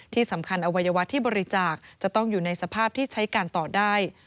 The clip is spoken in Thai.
ที่สำคัญอวัยวะที่บริจาคจะต้องอยู่ในสภาพที่ใช้การต่อได้